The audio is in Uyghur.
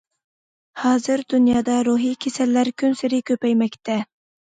ھازىر دۇنيادا روھىي كېسەللەر كۈنسېرى كۆپەيمەكتە.